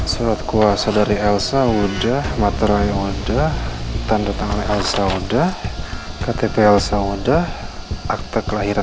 surat kuasa dari elsa udah materai oda tanda tangan elsa udah ktp elsa udah akte kelahiran